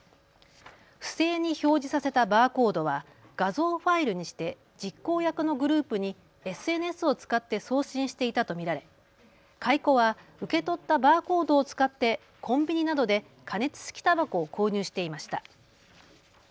不正に表示させたバーコードは画像ファイルにして実行役のグループにＳＮＳを使って送信していたと見られ買い子は受け取ったバーコードを使ってコンビニなどで加熱式たばこを購入していました。